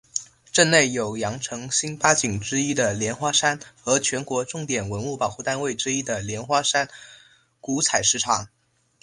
镇内有羊城新八景之一的莲花山和全国重点文物保护单位之一的莲花山古采石场。